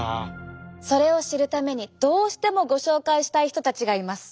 それを知るためにどうしてもご紹介したい人たちがいます。